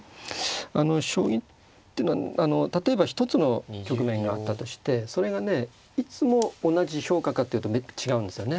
将棋ってのはあの例えば一つの局面があったとしてそれがねいつも同じ評価かっていうと違うんですよね。